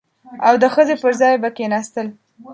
او د ښځې پر ځای به کښېناستل.